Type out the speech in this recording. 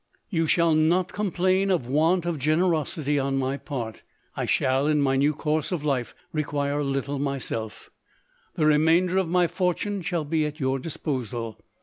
You shall not complain of want of generosity on my part. J shall, in my new course of life, require little myself; the remainder of my fortune shall be at your disposal.